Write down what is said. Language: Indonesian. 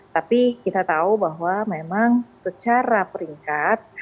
tapi kita tahu bahwa memang secara peringkat